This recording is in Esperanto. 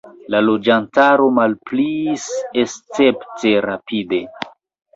La loĝantaro malpliis escepte rapide.